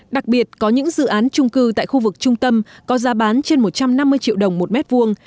đặc biệt có những dự án trung cư tại khu vực trung tâm có giá bán trên một trăm năm mươi triệu đồng một mét vuông